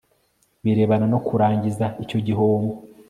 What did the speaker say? birebana no kurangiza icyo gihombo